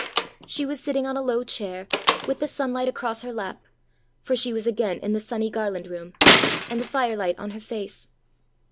She was sitting on a low chair, with the sunlight across her lap for she was again in the sunny Garland room and the firelight on her face.